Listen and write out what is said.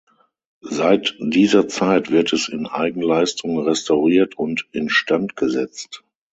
Seit dieser Zeit wird es in Eigenleistung restauriert und instand gesetzt.